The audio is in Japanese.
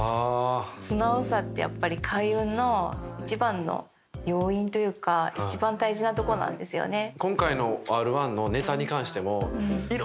素直さってやっぱり開運の一番の要因というか一番大事なとこなんですよね。